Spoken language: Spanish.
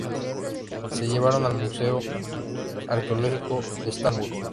Se llevaron al Museo arqueológico de Estambul.